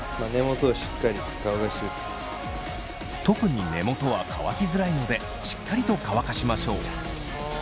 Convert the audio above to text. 特に根元は乾きづらいのでしっかりと乾かしましょう。